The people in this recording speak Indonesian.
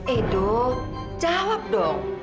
edo jawab dong